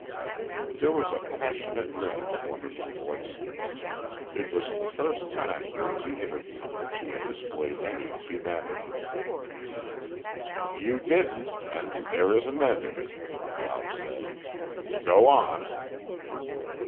There was a passionate ring in the woman's voice. It was the first time during the interview that she had displayed any humanity. "You didn't and there is an end of it," Ralph said. "Go on."